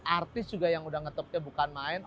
artis juga yang udah ngetopnya bukan main